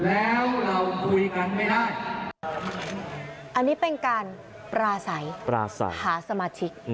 อันนี้เป็นการปราศัยหาสมาชิก